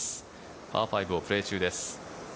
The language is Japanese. パー５をプレー中です。